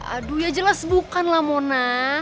aduh ya jelas bukan lah mona